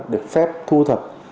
được phép thu thập